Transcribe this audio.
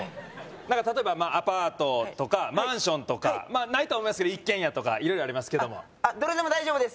何か例えばアパートとかマンションとかまあないとは思いますけど一軒家とか色々ありますけどもあっどれでも大丈夫です